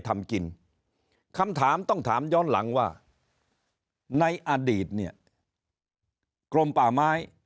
ทำกินคำถามต้องถามย้อนหลังว่าในอดีตเนี่ยกรมป่าไม้